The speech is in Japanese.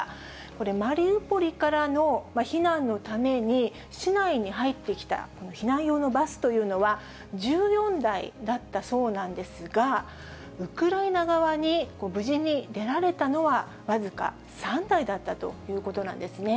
これ、マリウポリからの避難のために、市内に入ってきたこの避難用のバスというのは１４台だったそうなんですが、ウクライナ側に無事に出られたのは僅か３台だったということなんですね。